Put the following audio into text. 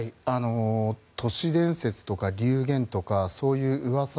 都市伝説とか流言とかそういう噂